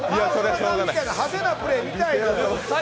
派手なプレー見たい。